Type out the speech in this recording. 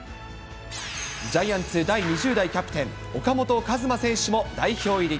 ジャイアンツ第２０代キャプテン、岡本和真選手も代表入り。